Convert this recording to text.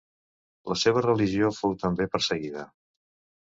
La seva religió fou també perseguida.